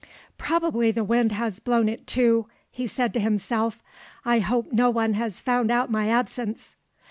"Probably the wind has blown it to," he said to himself. "I hope no one has found out my absence."